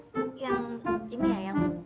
ya nanti aku bikinin jasnya